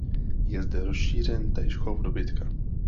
Je zde rozšířen též chov dobytka.